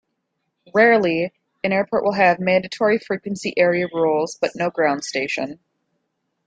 Rarely, an airport will have Mandatory Frequency Area rules, but no ground station.